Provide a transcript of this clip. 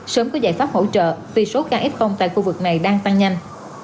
sớm có giải pháp hỗ trợ vì số kf tại khu vực này đang tăng nhanh